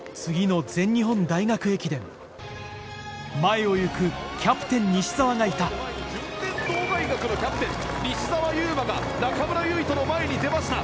次の前を行くキャプテン西澤がいた順天堂大学のキャプテン西澤侑真が中村唯翔の前に出ました。